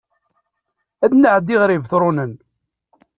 Ad nɛeddi ɣer Ibetṛunen